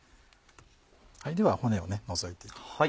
では骨を除いていきます。